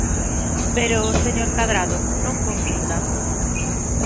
Pero, señor Cadrado, non confunda.